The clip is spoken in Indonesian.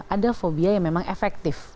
ada fobia yang memang efektif